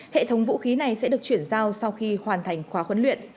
hệ thống vũ khí này sẽ được chuyển giao sau khi hoàn thành khóa huấn luyện